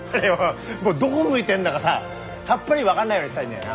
もうどこ向いてんだかささっぱり分かんないようにしたいんだよな。